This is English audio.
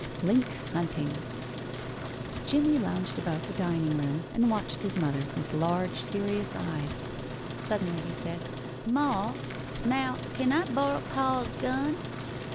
II LYNX HUNTING Jimmie lounged about the dining room and watched his mother with large, serious eyes. Suddenly he said, "Ma now can I borrow pa's gun?"